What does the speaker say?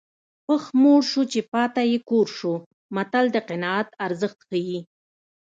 پښ موړ شو چې پاته یې کور شو متل د قناعت ارزښت ښيي